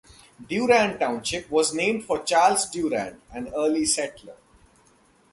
Durand Township was named for Charles Durand, an early settler.